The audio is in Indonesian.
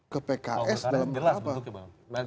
ke pks dalam berapa